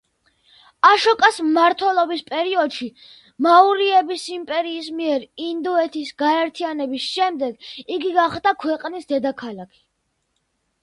აშოკას მმართველობის პერიოდში მაურიების იმპერიის მიერ ინდოეთის გაერთიანების შემდეგ იგი გახდა ქვეყნის დედაქალაქი.